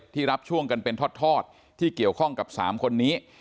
รับช่วงกันเป็นทอดที่เกี่ยวข้องกับ๓คนนี้